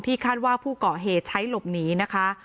คาดว่าผู้เกาะเหตุใช้หลบหนีนะคะ